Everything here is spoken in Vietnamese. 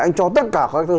anh cho tất cả